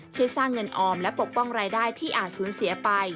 ช่วยสร้างเงินออมและปกป้องรายได้ที่อาจสูญเสียไป